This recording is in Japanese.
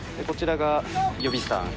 こちらが予備傘。